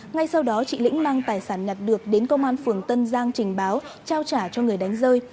ngay sau đó chị lĩnh mang tài sản nhặt được đến công an phường tân giang trình báo trao trả cho người đánh rơi